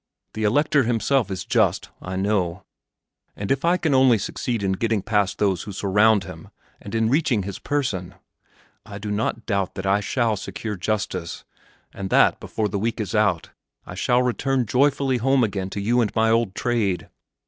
The Elector himself is just, I know, and if I can only succeed in getting past those who surround him and in reaching his person, I do not doubt that I shall secure justice, and that, before the week is out, I shall return joyfully home again to you and my old trade.